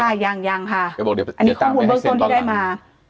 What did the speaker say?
ยังยังค่ะอันนี้ข้อมูลเบื้องต้นที่ได้มา